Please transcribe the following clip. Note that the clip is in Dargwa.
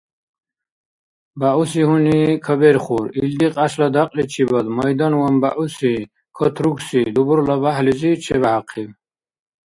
БягӀуси гьуни каберхур, илди кьяшла дякьличибад майданван бягӀуси, катругси дубурла бяхӀлизи чебяхӀяхъиб.